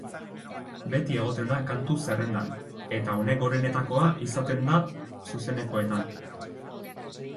Beti egoten da kantu zerrendan, eta une gorenetakoa izaten da zuzenekoetan.